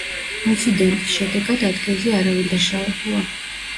ინციდენტის შედეგად, ადგილზე არავინ დაშავებულა.